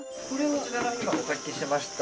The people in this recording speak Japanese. こちらが今お書きしました